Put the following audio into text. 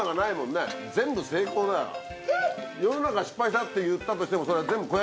世の中が失敗したって言ったとしても。